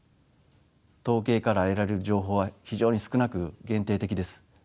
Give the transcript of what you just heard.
統計から得られる情報は非常に少なく限定的です。